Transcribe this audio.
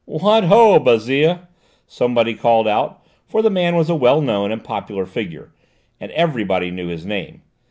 "What ho, Bouzille!" somebody called out, for the man was a well known and popular figure, and everybody knew his name.